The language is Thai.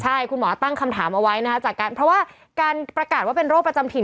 ใช่คุณหมอตั้งคำถามเอาไว้นะคะจากการเพราะว่าการประกาศว่าเป็นโรคประจำถิ่น